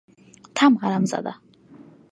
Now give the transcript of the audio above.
থাম, হারামজাদা!